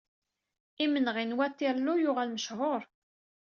Imenɣi n Waterloo yuɣal mecḥuṛ.